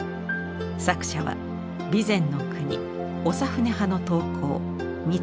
作者は備前国長船派の刀工光忠です。